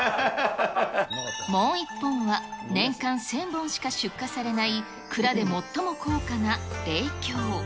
もう１本は、年間１０００本しか出荷されない、蔵で最も高価な零響。